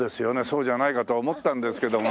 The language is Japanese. そうじゃないかと思ったんですけどもね。